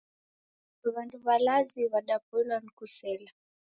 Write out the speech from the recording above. W'andu w'alazi w'adapoilwaa ni kusela.